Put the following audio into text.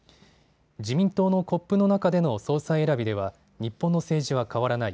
自民党のコップの中での総裁選びでは日本の政治は変わらない。